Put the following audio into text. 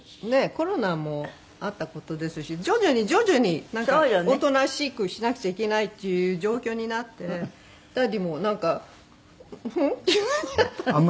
コロナもあった事ですし徐々に徐々になんかおとなしくしなくちゃいけないっていう状況になってダディもなんか急になったんですけど。